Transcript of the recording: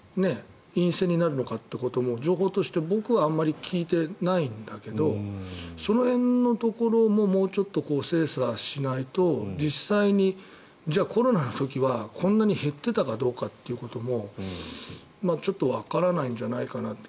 陰性になるのかってことも情報として僕はあまり聞いてないんだけどその辺のところももうちょっと精査しないと実際にコロナの時はこんなに減ってたかどうかということもちょっとわからないんじゃないかなって。